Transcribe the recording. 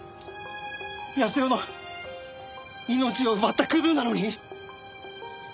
泰代の命を奪ったクズなのに！